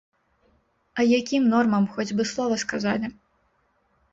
А якім нормам, хоць бы слова сказалі.